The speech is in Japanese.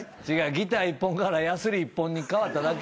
ギター一本からヤスリ一本に変わっただけや。